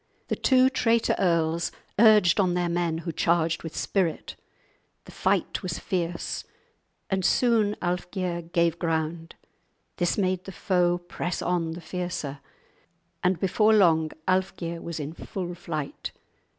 The two traitor earls urged on their men, who charged with spirit. The fight was fierce, and soon Alfgeir gave ground; this made the foe press on the fiercer, and before long Alfgeir was in full flight.